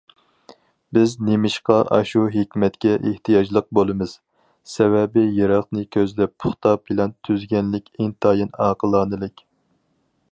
بىز نېمىشقا ئاشۇ ھېكمەتكە ئېھتىياجلىق بولىمىز؟ سەۋەبى يىراقنى كۆزلەپ پۇختا پىلان تۈزگەنلىك ئىنتايىن ئاقىلانىلىك.